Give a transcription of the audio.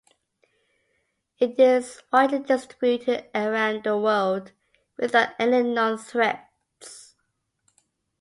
It is widely distributed around the world without any known threats.